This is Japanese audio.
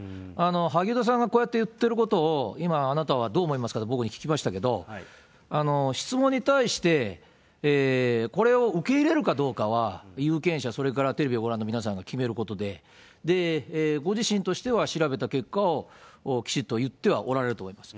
萩生田さんがこうやって言ってることを、今、あなたはどう思いますかって僕に聞きましたけど、質問に対してこれを受け入れるかどうかは有権者、それからテレビをご覧の皆さんが決めることで、ご自身としては調べた結果を、きちっと言ってはおられると思います。